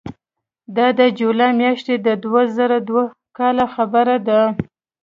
دا د جولای میاشتې د دوه زره دوه کاله خبره ده.